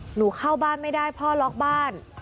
หนูเข้าบ้านไม่ได้พ่อล็อกบ้าน